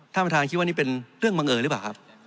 ท่านผู้ที่นี่เป็นเรื่องบังเอิญหรือเปล่า